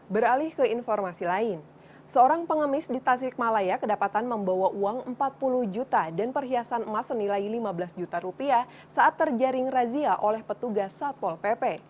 beralih ke informasi lain seorang pengemis di tasikmalaya kedapatan membawa uang empat puluh juta dan perhiasan emas senilai lima belas juta rupiah saat terjaring razia oleh petugas satpol pp